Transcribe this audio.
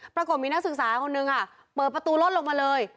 ปรากฏมีนักศึกษาคนนึงเปิดประตูรถลงมาเลย